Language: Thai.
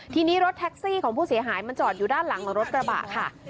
ทีนี้รถแท็กซี่ของผู้เสียหายมันจอดอยู่ด้านหลังรถกระบะค่ะ